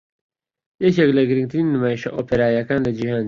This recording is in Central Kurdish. یەکێک لە گرنگترین نمایشە ئۆپێراییەکان لە جیهاندا